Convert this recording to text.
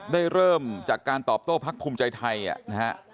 ได้เริ่มจากการตอบโต้พรรคภูมิใจไทย